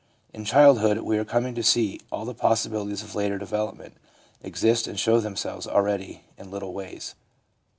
In childhood, we are coming to see, all the possibilities of later development exist and show themselves already in little ways.